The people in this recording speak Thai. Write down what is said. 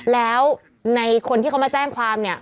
แล้วในคนที่เขามาแจ้งความเนี่ย